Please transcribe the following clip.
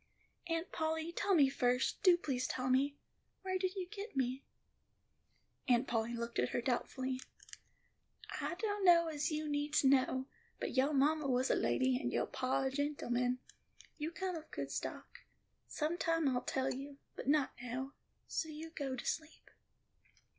"Aunt Polly, tell me first, do please tell me, where did you get me?" Aunt Polly looked at her doubtfully. "I dunno as you need to know. But yo ma was a lady, and yo pa a gentleman. You come of a good stock. Sometime I'll tell you, but not now; so you go to sleep."